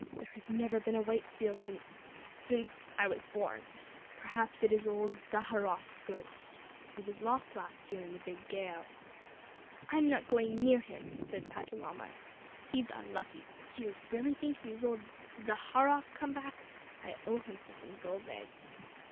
There has never been a white seal since since I was born. Perhaps it is old Zaharrof's ghost. He was lost last year in the big gale." "I'm not going near him," said Patalamon. "He's unlucky. Do you really think he is old Zaharrof come back? I owe him for some gulls' eggs."